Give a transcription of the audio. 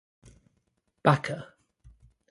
Bakker.